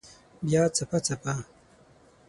بیا څپه، څپه